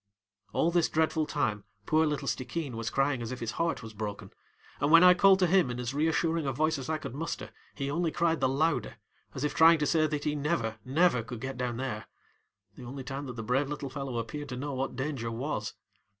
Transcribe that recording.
All this dreadful time poor little Stickeen was crying as if his heart was broken, and when I called to him in as reassuring a voice as I could muster, he only cried the louder, as if trying to say that he never, never could get down thereŌĆöthe only time that the brave little fellow appeared to know what danger was.